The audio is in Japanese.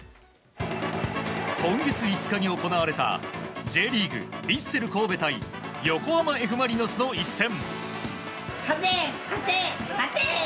今月５日に行われたＪリーグ、ヴィッセル神戸対横浜Ｆ・マリノスの一戦。